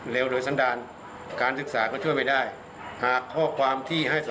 เลวโดยสันดานการศึกษาก็ช่วยไม่ได้